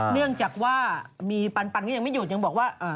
เนื่องจากว่ามีปันก็ยังไม่หยุดยังบอกว่า